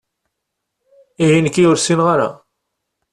Ihi nekki ur ssineɣ ara?